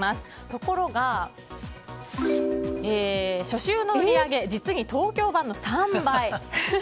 ところが、初週の売り上げ実に東京版の３倍。